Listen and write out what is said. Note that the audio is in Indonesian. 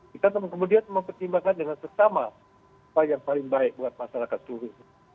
kita kemudian mempertimbangkan dengan sesama apa yang paling baik buat masyarakat seluruh